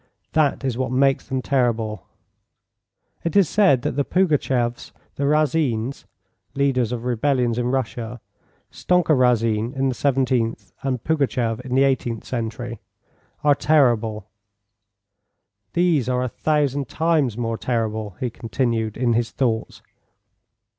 That is what makes them terrible. It is said that the Pougatcheffs, the Razins [leaders of rebellions in Russia: Stonka Razin in the 17th and Pougatcheff in the 18th century] are terrible. These are a thousand times more terrible," he continued, in his thoughts.